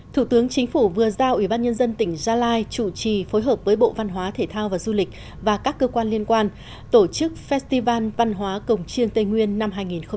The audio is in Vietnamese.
thủ tướng chính phủ vừa giao ủy ban nhân dân tỉnh gia lai chủ trì phối hợp với bộ văn hóa thể thao và du lịch và các cơ quan liên quan tổ chức festival văn hóa cổng chiêng tây nguyên năm hai nghìn một mươi chín